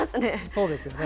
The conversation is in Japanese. そうですよね。